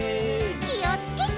きをつけて。